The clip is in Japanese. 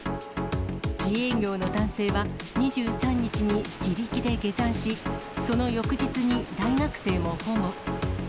自営業の男性は２３日に自力で下山し、その翌日に大学生も保護。